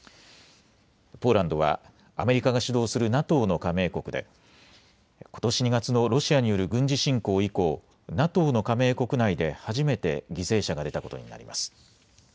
ポーランドはアメリカが主導するＮＡＴＯの加盟国でことし２月のロシアによる軍事侵攻以降、ＮＡＴＯの加盟国内で初めて犠牲者が出たことになります。